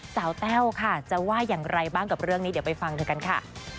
แต้วค่ะจะว่าอย่างไรบ้างกับเรื่องนี้เดี๋ยวไปฟังเธอกันค่ะ